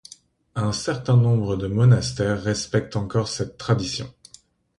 Un certain nombre de monastères respectent encore cette tradition.